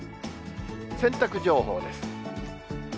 洗濯情報です。